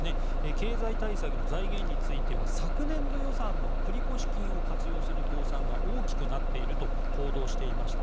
経済対策の財源については昨年度予算の繰越金を活用する公算が大きくなっていると報道していました。